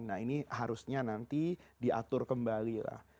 nah ini harusnya nanti diatur kembali lah